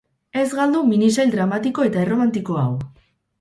Ez galdu minisail dramatiko eta erromantiko hau!